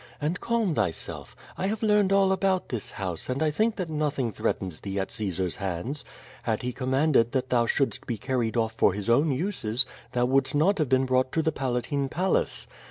And calm thyself. I have learned all about this house, and I think that nothing threatens thee at Caesar's hands. Had he com manded that thou shouldst be carried off for his own uses, thou wouldst not have been brought to the Palatine Palace.